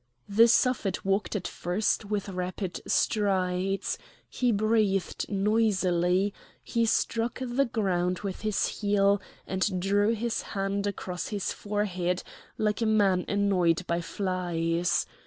The Suffet walked at first with rapid strides; he breathed noisily, he struck the ground with his heel, and drew his hand across his forehead like a man annoyed by flies.